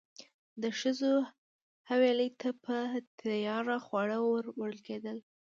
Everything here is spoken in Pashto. د ښځو حویلۍ ته به تیار خواړه وروړل کېدل.